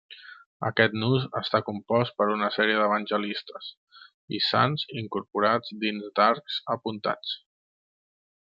Aquest nus està compost per una sèrie d'evangelistes i sants incorporats dins d'arcs apuntats.